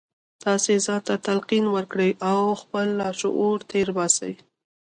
تاسې ځان ته تلقین وکړئ او خپل لاشعور تېر باسئ